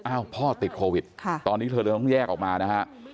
พ่อติดโควิดตอนนี้เธอเลยต้องแยกออกมานะฮะ